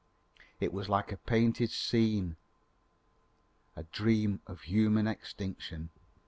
It was like a painted scene a dream of human extinction.